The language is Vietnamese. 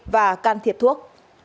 và can thiệp thuốc